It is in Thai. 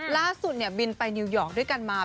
ล่าสุดบินไปนิวยอร์กด้วยกันมา